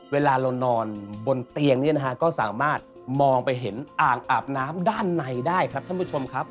เวลาเรานอนบนเตียงเนี่ยนะฮะก็สามารถมองไปเห็นอ่างอาบน้ำด้านในได้ครับท่านผู้ชมครับ